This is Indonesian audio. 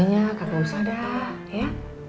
iyanya kaga usah dah ya